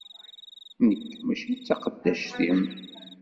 Nekk mačči d taqeddact-im!